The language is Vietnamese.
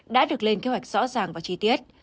đã được lên kế hoạch rõ ràng và chi tiết